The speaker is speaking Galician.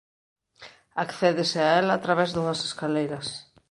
Accédese a ela a través dunhas escaleiras.